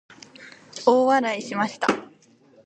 大笑いしました。